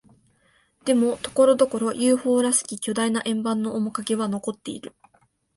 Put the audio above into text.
でも、ところどころ、ＵＦＯ らしき巨大な円盤の面影は残っている。